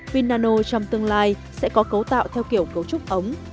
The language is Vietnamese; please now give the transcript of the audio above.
pin nano trong tương lai sẽ có cấu tạo theo kiểu cấu trúc ống